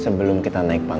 sebelum kita naikin